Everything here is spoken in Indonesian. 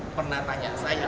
pernah tanya saya